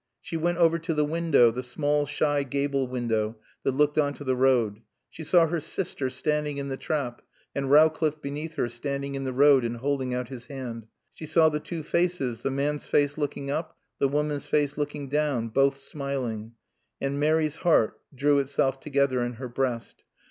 She went over to the window, the small, shy gable window that looked on to the road. She saw her sister standing in the trap and Rowcliffe beneath her, standing in the road and holding out his hand. She saw the two faces, the man's face looking up, the woman's face looking down, both smiling. And Mary's heart drew itself together in her breast.